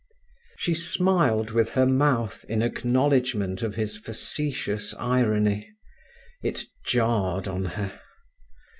She smiled with her mouth in acknowledgement of his facetious irony; it jarred on her.